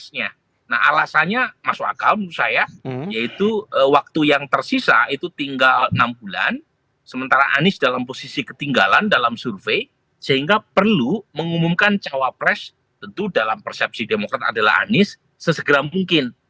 nah alasannya masuk akal menurut saya yaitu waktu yang tersisa itu tinggal enam bulan sementara anies dalam posisi ketinggalan dalam survei sehingga perlu mengumumkan cawapres tentu dalam persepsi demokrat adalah anies sesegera mungkin